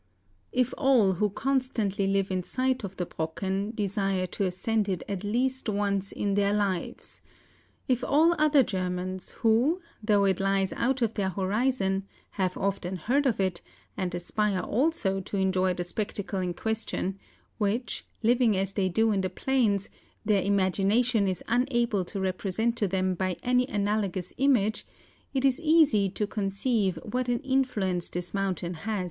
The Brocken. If all who constantly live in sight of the Brocken desire to ascend it at least once in their lives;—if all other Germans who, though it lies out of their horizon, have often heard of it and aspire also to enjoy the spectacle in question, which, living as they do in the plains, their imagination is unable to re¬ present to them by any analogous image, it is easy to conceive what an influence this mountain has 158 MOUNTAIN ADVENTURES.